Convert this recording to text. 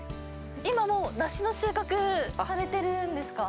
今もう、梨の収穫されてるんですか。